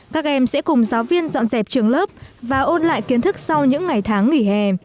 các em sẽ cùng giáo viên dọn dẹp trường lớp và ôn lại kiến thức sau những ngày tháng nghỉ hè